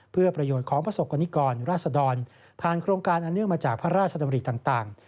เพื่อประโยชน์ของประสบกรณิกรราศดรผ่านโครงการอันเนื่องมาจากพระราชดำริต่าง